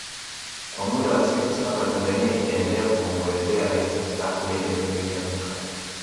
Kwa muda wa siku saba Tanzania itaendelea kumwombolezea Rais Mstaafu Benjamin William Mkapa